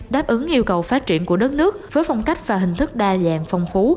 đáp ứng yêu cầu phát triển của đất nước với phong cách và hình thức đa dạng phong phú